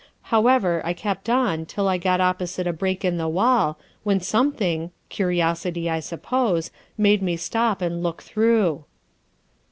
However, I kept on until I got opposite a break in the wall, when some thing curiosity, I suppose made me stop and look through.